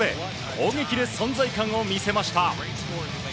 攻撃で存在感を見せました。